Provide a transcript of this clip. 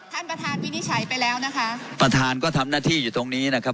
ท่านประธานวินิจฉัยไปแล้วนะคะประธานก็ทำหน้าที่อยู่ตรงนี้นะครับ